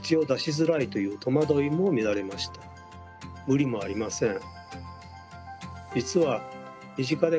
無理もありません。